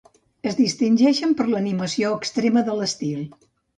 Es distingeixen per l'animació extrema de l'estil.